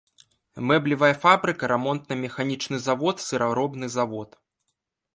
Мэблевая фабрыка, рамонтна-механічны завод, сыраробны завод.